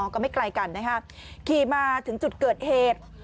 ก็ไม่ไกลกันนะคะขี่มาถึงจุดเกิดเหตุ